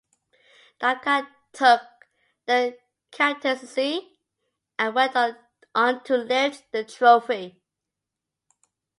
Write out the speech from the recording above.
Dunga took the captaincy and went on to lift the trophy.